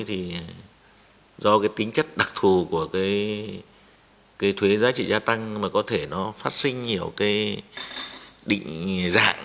thì do cái tính chất đặc thù của cái thuế giá trị gia tăng mà có thể nó phát sinh nhiều cái định dạng